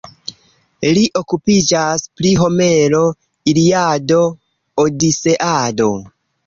Li okupiĝas pri Homero, Iliado, Odiseado.